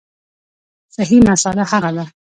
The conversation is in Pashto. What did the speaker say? صحیح مسأله هغه ده